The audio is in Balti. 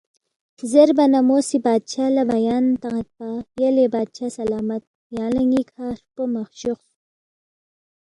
زیربا نہ مو سی بادشاہ لہ بیان تان٘یدپا، یلے بادشاہ سلامت یانگ لہ ن٘ی کھہ ہرپو مہ شوخ